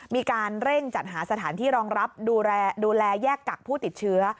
มีการเร่งจัดหาสถานที่รองรับดูแลแยกกักผู้ติดเชื้อ